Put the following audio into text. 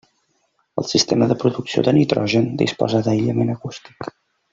El sistema de producció de nitrogen disposa d'aïllament acústic.